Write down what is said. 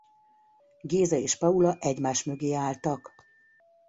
Géza és Paula egymás mögé álltak.